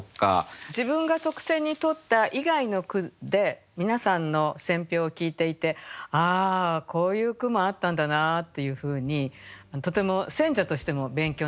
自分が特選にとった以外の句で皆さんの選評を聞いていて「ああこういう句もあったんだな」というふうにとても選者としても勉強になりましたね。